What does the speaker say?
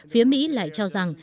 phía mỹ lại cho rằng